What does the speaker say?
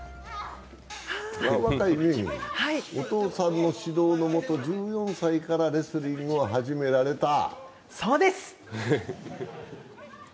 若いね、お父さんの指導のもと、１４歳からレスリングを始められた。